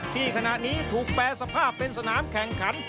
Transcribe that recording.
ที่ขณะนี้ถูกแปรสภาพเป็นสนามแข่งขัน